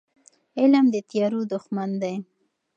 علم د تیارو دښمن دی.